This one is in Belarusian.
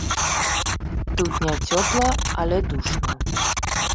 Тут не цёпла, але душна.